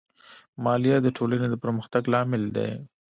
مالیه د ټولنې د پرمختګ لامل دی.